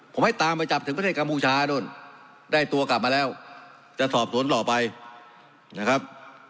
ผมให้ตามไปจับถึงประเทศกัมพูชานู่นได้ตัวกลับมาแล้วจะสอบสวนต่อไปนะครับ